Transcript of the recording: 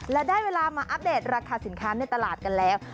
และได้เวลามาอัปเดตราคาสินค้าในตลาดกันแล้ว